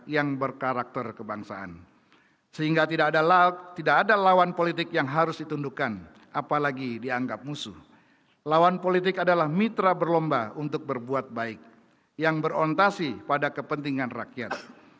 yang mulia en lain chow utusan khusus presiden amerika serikat